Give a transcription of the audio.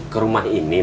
ke rumah ini mak